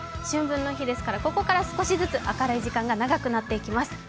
春分の日ですからここから少しずつ明るい時間が長くなっていきます。